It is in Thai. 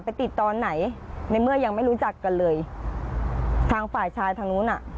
ไปติดตอนไหนในเมื่อยังไม่รู้จักกันเลยทางฝ่ายชายทางนู้นอ่ะ